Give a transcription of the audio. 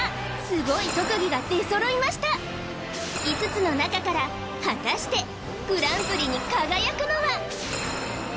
スゴい特技が出揃いました５つの中から果たしてグランプリに輝くのは？